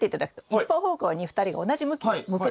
一方方向に２人が同じ向きに向く。